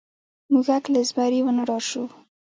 موږک له زمري ونه ډار شو.